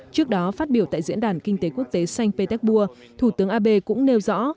trước đó phát biểu tại diễn đàn kinh tế quốc tế sanh pétekbua thủ tướng abe cũng nêu rõ